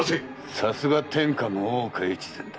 さすが天下の大岡越前だ。